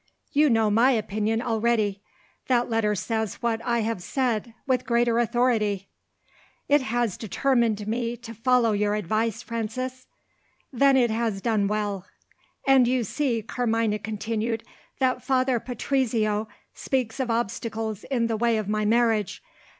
You know my opinion already. That letter says what I have said with greater authority." "It has determined me to follow your advice, Frances." "Then it has done well." "And you see," Carmina continued, "that Father Patrizio speaks of obstacles in the way of my marriage.